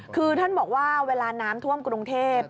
คือท่านบอกว่าเวลาน้ำท่วมกรุงเทพ